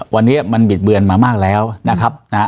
วันนี้มันบิดเบือนมามากแล้วนะครับนะฮะ